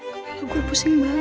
kepala gue pusing banget